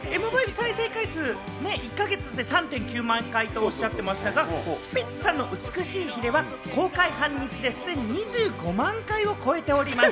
ちなみにＭＶ再生回数１か月で３．９万回っておっしゃってましたが、スピッツさんの『美しい鰭』は公開半日で、すでに２５万回を超えております。